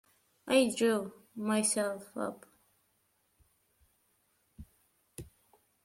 I drew myself up.